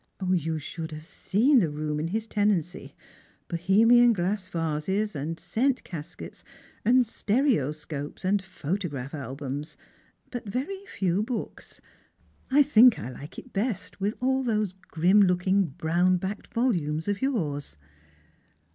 " You should have seen the room in his tenancy — Bohemian glass vases, and scent caskets, and stereoscopes, and photograph albums ; but very few books. I think I Hke it best with all those grim looking brown backed volumes of yours."